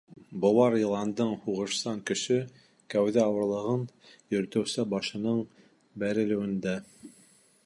Быуар йыландың һуғышсан көсө — кәүҙә ауырлығын йөрөтөүсе башының бәрелеүендә.